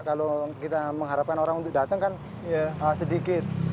kalau kita mengharapkan orang untuk datang kan sedikit